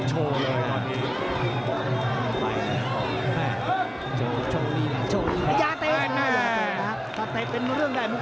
อเจมส์โชว์ดีนะโชว์ดีนะครับฟ้าวนะลูกนี้เพราะจังหวะมันขาดไปแล้วต้องระวังนิดนึง